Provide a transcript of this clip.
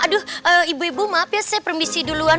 aduh ibu ibu maaf ya saya permisi duluan